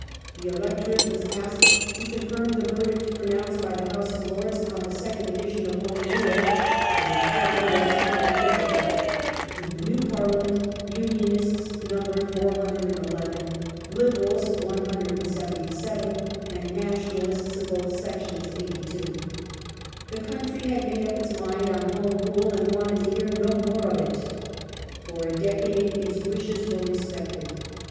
The electorate was asked to confirm the verdict pronounced by the House of Lords upon the second edition of Home Rule. The reply was unequivocal. In the new Parliament Unionists numbered 411, Liberals 177, and Nationalists (of both sections) 82. The country had made up its mind on Home Rule, and wanted to hear no more of it. For a decade its wishes were respected.